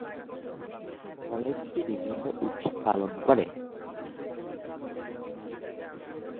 কলেজটি বিভিন্ন উৎসব পালন করে।